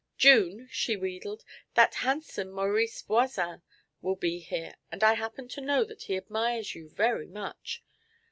'"June," she wheedled, "that handsome Maurice Voisin will be here, and I happen to know that he admires you very much.